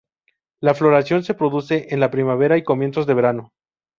La floración se produce en la primavera y comienzos de verano.